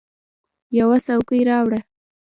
یوه څوکۍ راوړه !